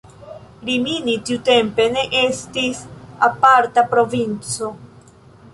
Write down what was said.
Rimini tiutempe ne estis aparta provinco.